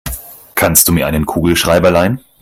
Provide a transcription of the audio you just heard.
Kannst du mir einen Kugelschreiber leihen?